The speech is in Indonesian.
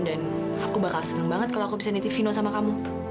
dan aku bakal seneng banget kalau aku bisa niti vino sama kamu